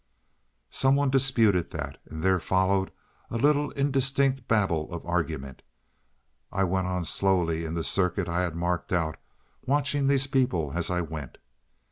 Some one disputed that, and there followed a little indistinct babble of argument. I went on slowly in the circuit I had marked out, watching these people as I went.